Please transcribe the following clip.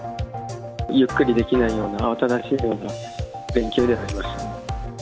ゆっくりできないような、慌ただしいような連休になりました。